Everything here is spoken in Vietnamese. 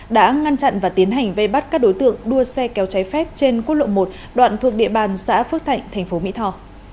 đã ngăn chặn và tiến hành vây bắt các đối tượng đua xe kéo cháy phép trên quốc lộ một đoạn thuộc địa bàn xã phước thạnh tp mỹ tho